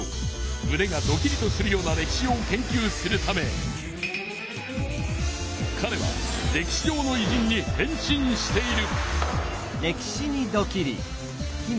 むねがドキリとするような歴史を研究するためかれは歴史上のいじんに変身している。